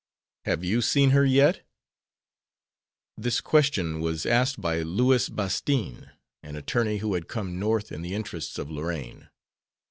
"Have you seen her yet?" This question was asked by Louis Bastine, an attorney who had come North in the interests of Lorraine.